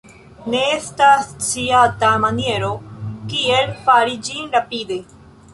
Ne estas sciata maniero kiel fari ĝin rapide.